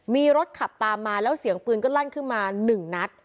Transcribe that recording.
มีรถขับตามมาแล้วเสียงปืนก็ลั่นขึ้นมา๑นัด